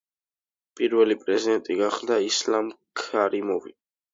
პირველი პრეზიდენტი გახდა ისლამ ქარიმოვი.